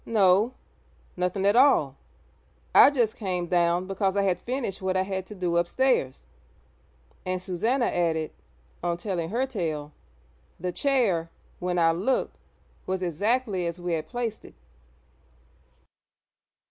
'No; nothing at all. I just came down because I had finished what I had to do upstairs!' And Susannah added, on telling her tale, 'the chair, when I looked, was exactly as we had placed it.'